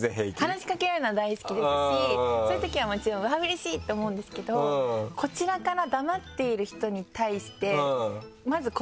話しかけられるのは大好きですしそういうときはもちろんうわっうれしい！と思うんですけどこちらから。